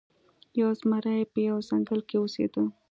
یو زمری په یوه ځنګل کې اوسیده.